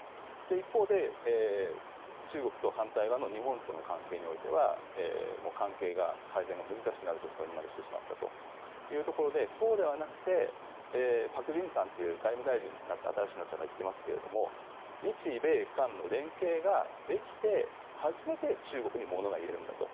一方で、中国と反対側の日本との関係においては関係改善が難しくなる状況にしてしまったというところでそうではなくて、パクさんという新しい外務大臣の方が言っていますが日米韓の連携ができて初めて中国に物が言えるんだと。